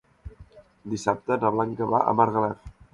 Dissabte na Blanca va a Margalef.